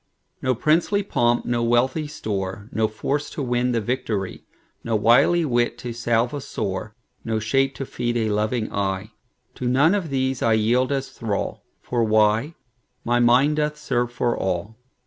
No princely pomp, no wealthy store, No force to win the victory, No wily wit to salve a sore, No shape to feed a loving eye; To none of these I yield as thrall; For why? my mind doth serve for all.